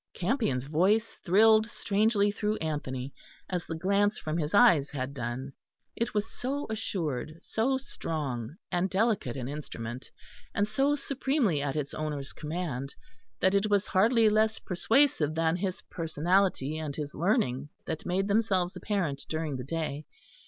Campion's voice thrilled strangely through Anthony, as the glance from his eyes had done. It was so assured, so strong and delicate an instrument, and so supremely at its owner's command, that it was hardly less persuasive than his personality and his learning that made themselves apparent during the day.